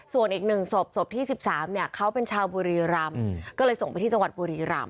ส่วนอีก๑ศพศพที่๑๓เนี่ยเขาเป็นชาวบุรีรำก็เลยส่งไปที่จังหวัดบุรีรำ